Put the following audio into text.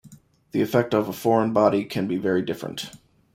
The effect of a foreign body can be very different.